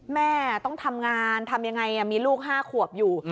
แม่ต้องทำงานทำยังไงมีลูก๕ขวบอยู่